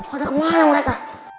ada kemana mereka